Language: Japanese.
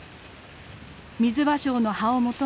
ミズバショウの葉を求め